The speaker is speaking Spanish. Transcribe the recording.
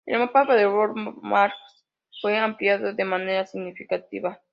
El mapa del World Max fue ampliado de manera significativa.